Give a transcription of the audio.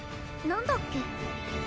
何だっけ？